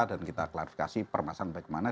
dan kita klarifikasi permasalahan bagaimana